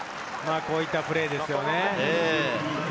こういったプレーですよね。